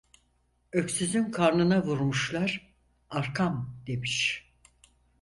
Öksüzün karnına vurmuşlar "arkam!" demiş.